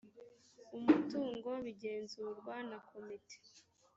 umutungo bigenzurwa na komite